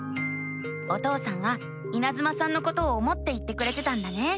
お父さんはいなずまさんのことを思って言ってくれてたんだね。